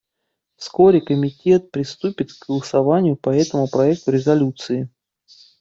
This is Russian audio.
Вскоре Комитет приступит к голосованию по этому проекту резолюции.